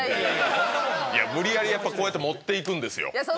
無理やりこうやって持っていくんですよ。